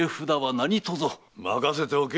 任せておけ。